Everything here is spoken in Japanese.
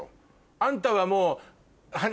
あんたはもう。